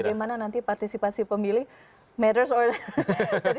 kita lihat bagaimana nanti partisipasi pemilih matters or not